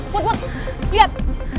put put lihat